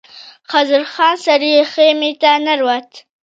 خسرو خان سرې خيمې ته ننوت.